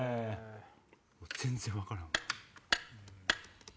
全然分からんわ。